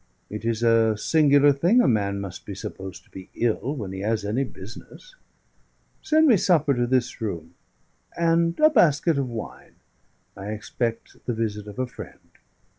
It is a singular thing a man must be supposed to be ill when he has any business! Send me supper to this room, and a basket of wine: I expect the visit of a friend.